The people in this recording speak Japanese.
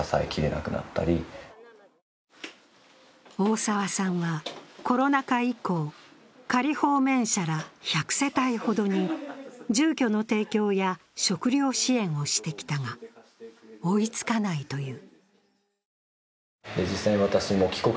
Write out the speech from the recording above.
大澤さんはコロナ禍以降、仮放免者ら１００世帯ほどに住居の提供や食料支援をしてきたが、追いつかないという。